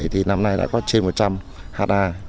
thì năm nay đã có trên một trăm linh ha